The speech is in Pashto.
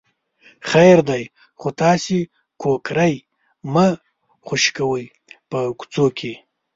خیر دی خو تاسې کوکری مه خوشې کوئ په کوڅو کې.